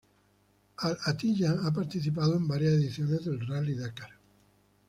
Al-Attiyah ha participado en varias ediciones del Rally Dakar.